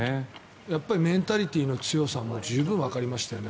メンタリティーの強さも十分わかりましたよね。